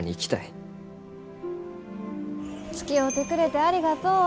つきおうてくれてありがとう。